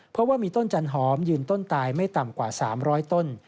เพราะว่ามีต้นจันหอมยืนต้นตายไม่ต่ำกว่า๓๐๐ต้น